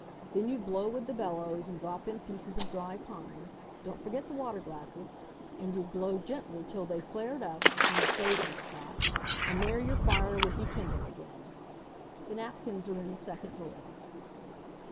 Then you'd blow with the bellows and drop in pieces of dry pine—don't forget the water glasses—and you'd blow gently till they flared up and the shavings caught, and there your fire would be kindled again. The napkins are in the second drawer."